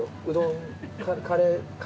うどんカレー